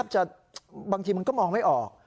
บางทีมันก็มองไม่ออก